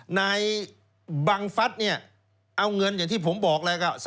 นายบังฟัฐเนี่ยเอาเงินอย่างที่ผมบอกแล้วก็